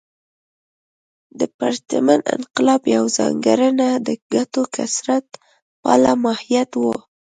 د پرتمین انقلاب یوه ځانګړنه د ګټو کثرت پاله ماهیت و.